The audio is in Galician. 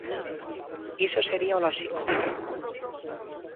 ¡Iso sería o lóxico!